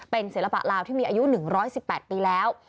เป็นศิลปะลาวที่มีอายุ๑๑๘ปีแล้ว